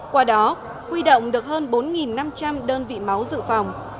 qua đó huy động được hơn bốn năm trăm linh đơn vị máu dự phòng